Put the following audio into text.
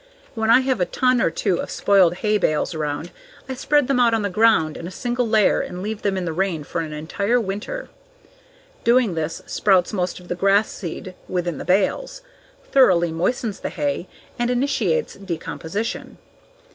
When I have a ton or two of spoiled hay bales around, I spread them out on the ground in a single layer and leave them in the rain for an entire winter. Doing this sprouts most of the grass seed within the bales, thoroughly moistens the hay, and initiates decomposition.